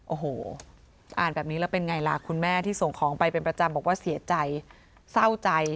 โอ้โหอ่านแบบนี้แล้วเป็นไงล่ะคุณแม่ที่ส่งของไปเป็นประจำบอกว่าเสียใจเศร้าใจ